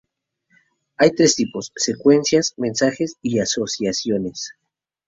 Hay tres tipos: Secuencias, Mensajes y Asociaciones.